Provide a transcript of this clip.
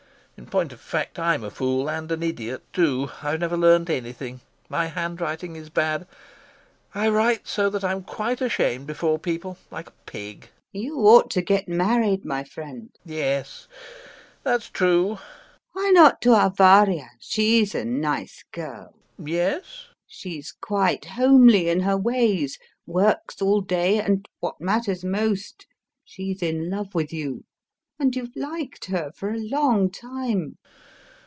In point of fact, I'm a fool and an idiot too. I've never learned anything, my handwriting is bad, I write so that I'm quite ashamed before people, like a pig! LUBOV. You ought to get married, my friend. LOPAKHIN. Yes... that's true. LUBOV. Why not to our Varya? She's a nice girl. LOPAKHIN. Yes. LUBOV. She's quite homely in her ways, works all day, and, what matters most, she's in love with you. And you've liked her for a long time.